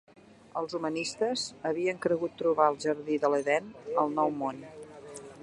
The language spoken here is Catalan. Els humanistes havien cregut trobar el jardí de l'Edèn al Nou Món.